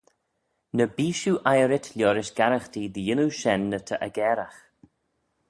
Ny bee shiu eiyrit liorish garaghtee dy yannoo shen ny ta aggairagh.